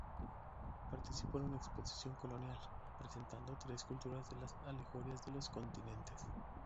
Participó en una Exposición colonial, presentando tres esculturas de las alegorías de los continentes.